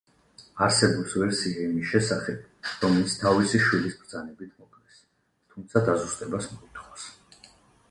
არსებობს ვერსია იმის შესახებ, რომ ის თავისი შვილის ბრძანებით მოკლეს, თუმცა დაზუსტებას მოითხოვს.